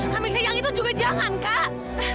kameisha yang itu juga jangan kak